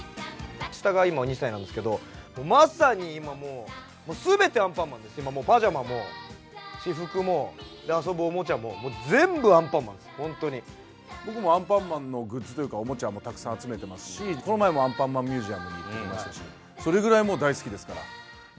下が今２歳なんですけれども、まさに今、もう、すべてアンパンマンです、パジャマも、私服も、遊ぶおもちゃも、僕もアンパンマンのグッズというか、おもちゃもたくさん集めてますし、この前もアンパンマンミュージアムに行ってますし、それぐらいもう大好きですから。